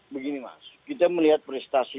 begini mas kita melihat prestasi